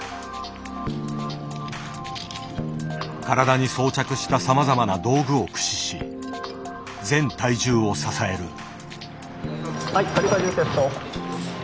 体に装着したさまざまな道具を駆使し全体重を支える。